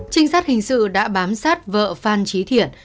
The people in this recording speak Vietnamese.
trinh sát hình sự đã bám sát vợ phan trí thiện